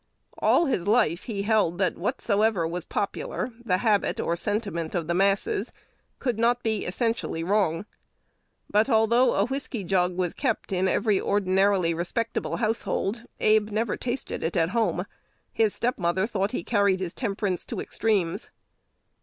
All his life he held that whatsoever was popular the habit or the sentiment of the masses could not be essentially wrong. But, although a whiskey jug was kept in every ordinarily respectable household, Abe never tasted it at home. His step mother thought he carried his temperance to extremes.